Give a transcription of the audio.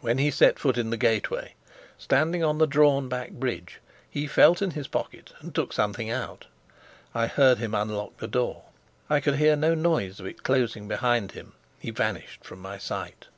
When he set foot in the gateway, standing on the drawn back bridge, he felt in his pocket and took something out. I heard him unlock the door. I could hear no noise of its closing behind him. He vanished from my sight.